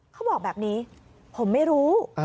เขาบอกแบบนี้ผมไม่รู้